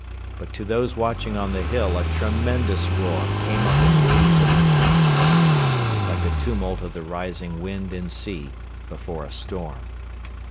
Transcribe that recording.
But to those watching on the hill a tremendous roar came up in waves of intense sound, like the tumult of the rising wind and sea before a storm.